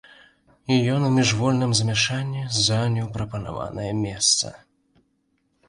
Ён у міжвольным замяшанні заняў прапанаванае месца.